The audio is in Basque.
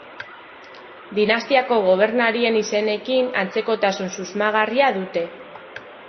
Dinastiako gobernarien izenekin antzekotasun susmagarria dute.